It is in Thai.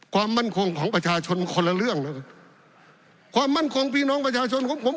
ความมั่นคงของประชาชนคนละเรื่องนะครับความมั่นคงพี่น้องประชาชนของผม